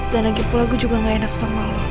dan lagi pula gue juga gak enak sama lo